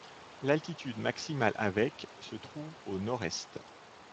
L'altitude maximale avec se trouve au nord-est.